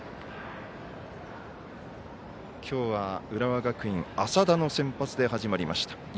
きょうは浦和学院浅田の先発で始まりました。